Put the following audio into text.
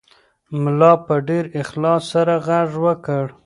ملا په ډېر اخلاص سره غږ وکړ.